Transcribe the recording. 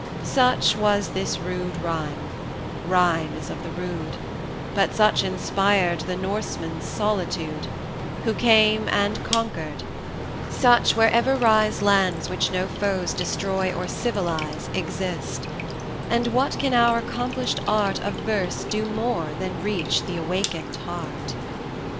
Such was this rude rhyme rhyme is of the rude But such inspired the Norseman's solitude, Who came and conquered; such, wherever rise Lands which no foes destroy or civilise, 100 Exist: and what can our accomplished art Of verse do more than reach the awakened heart?